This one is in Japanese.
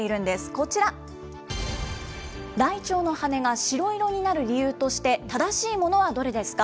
こちら、ライチョウの羽が白色になる理由として、正しいものはどれですか。